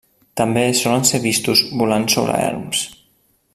També solen ser vistos volant sobre erms.